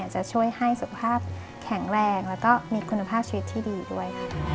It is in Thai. จะช่วยให้สุขภาพแข็งแรงแล้วก็มีคุณภาพชีวิตที่ดีด้วยค่ะ